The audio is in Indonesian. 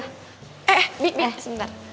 eh bi bi sebentar